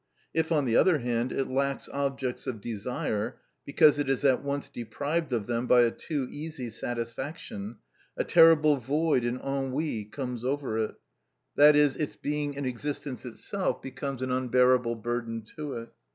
If, on the other hand, it lacks objects of desire, because it is at once deprived of them by a too easy satisfaction, a terrible void and ennui comes over it, i.e., its being and existence itself becomes an unbearable burden to it.